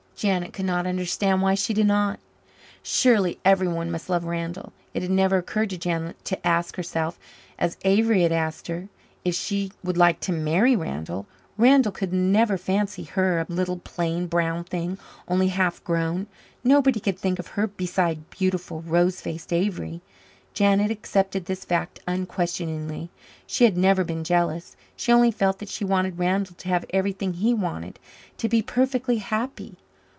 Janet could not understand why she did not. Surely everyone must love Randall. It had never occurred to Janet to ask herself, as Avery had asked, if she would like to marry Randall. Randall could never fancy her a little plain, brown thing, only half grown. Nobody could think of her beside beautiful, rose faced Avery. Janet accepted this fact unquestioningly. She had never been jealous. She only felt that she wanted Randall to have everything he wanted to be perfectly happy.